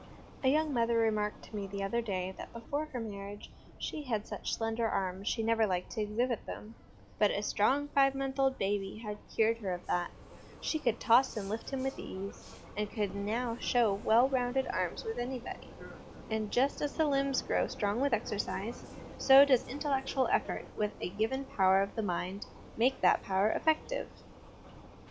A young mother remarked to me the other day, that before her marriage she had such slender arms she never liked to exhibit them ; but a strong five months old baby had cured her of that ; she could toss and lift him with ease, and could now show well rounded arms with anybody : and just as the limbs grow strong with exercise, so does intellectual effort with a given power of the mind make that power effective.